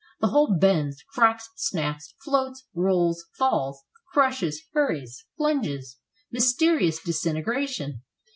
The whole bends, cracks, snaps, floats, rolls, falls, crushes, hurries, plunges. Mysterious disintegration.